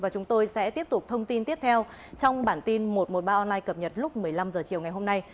chúng tôi sẽ tiếp tục thông tin tiếp theo trong bản tin một trăm một mươi ba online cập nhật lúc một mươi năm h chiều ngày hôm nay